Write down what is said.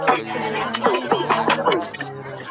ولي هوډمن سړی د مخکښ سړي په پرتله ډېر مخکي ځي؟